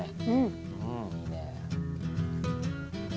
うんいいね。